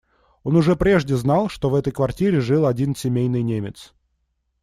Он уже прежде знал, что в этой квартире жил один семейный немец.